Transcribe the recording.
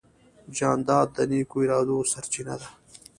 جانداد د نیکو ارادو سرچینه ده.